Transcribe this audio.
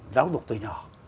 giáo dục từ nhỏ